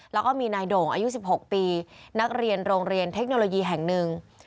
แล้วก็มีนายโด่งอายุ๑๖ปีนักเรียนโรงเรียนเทคโนโลยีแห่งหนึ่ง